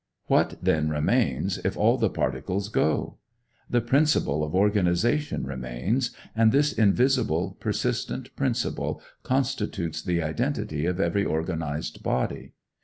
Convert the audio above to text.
What then remains, if all the particles go? The principle of organization remains, and this invisible, persistent principle constitutes the identity of every organized body.